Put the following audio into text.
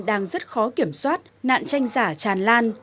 đang rất khó kiểm soát nạn tranh giả tràn lan